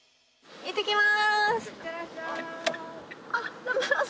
行ってきます！